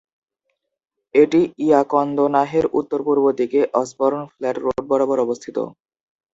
এটি ইয়াকন্দনাহের উত্তর-পূর্ব দিকে অসবর্ন ফ্ল্যাট রোড বরাবর অবস্থিত।